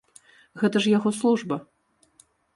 Гэта ж яго служба!